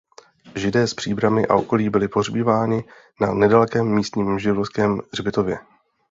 Židé z Příbrami a okolí byli pohřbíváni na nedalekém místním židovském hřbitově.